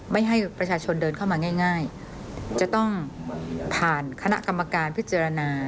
ไม่ให้ประชาชนเดินเข้ามาง่ายจะต้องผ่านคณะกรรมการพิจารณา